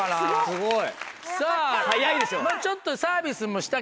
すごい。